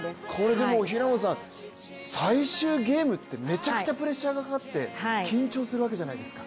でも最終ゲームってめちゃくちゃプレッシャーがかかって緊張するわけじゃないですか。